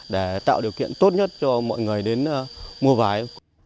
để tạo điều kiện tốt nhất cho mọi người đến mua vải